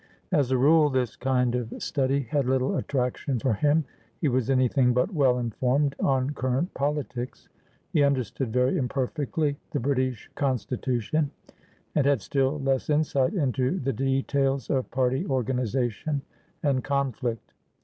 As a rule, this kind of study had little attraction for him; he was anything but well informed on current politics; he understood very imperfectly the British constitution, and had still less insight into the details of party organisation and conflict.